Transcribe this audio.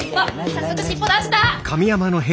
早速尻尾出した！